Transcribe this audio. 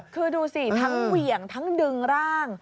คือดูสิทั้งเหวี่ยงทั้งดึงร่าง